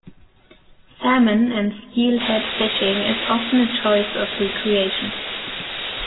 Salmon and steelhead fishing is often a choice of recreation.